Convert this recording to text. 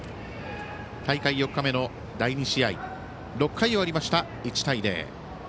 大会４日目の第２試合６回終わりました、１対０。